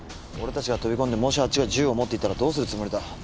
俺たちが飛び込んでもしあっちが銃を持っていたらどうするつもりだ？